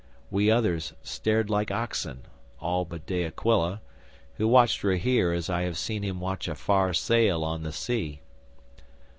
We others stared like oxen, all but De Aquila, who watched Rahere as I have seen him watch a far sail on the sea.